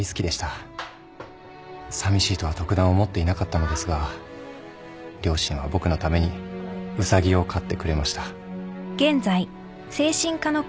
さみしいとは特段思っていなかったのですが両親は僕のためにウサギをかってくれました。